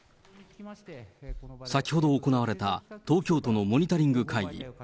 先ほど行われた東京都のモニタリング会議。